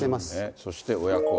そして親子愛。